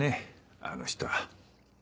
あの人は。